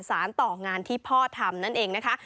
สารต่องานที่พ่อทำนั่นเองนะคะ